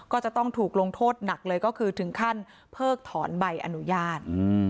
ก็จะต้องถูกลงโทษหนักเลยก็คือถึงขั้นเพิกถอนใบอนุญาต